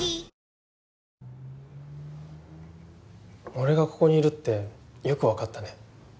俺がここにいるってよくわかったね。